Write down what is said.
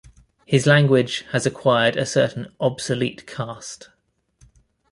His language has acquired a certain obsolete cast.